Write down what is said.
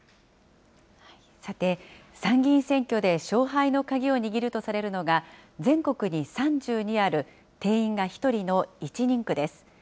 さて、参議院選挙で勝敗の鍵を握るとされるのが、全国に３２ある、定員が１人の１人区です。